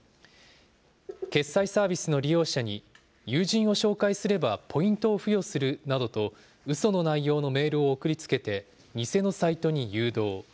決済サービスの利用者に、友人を紹介すればポイントを付与するなどとうその内容のメールを送りつけて、偽のサイトに誘導。